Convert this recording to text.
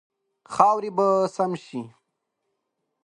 خاورې به سم شي.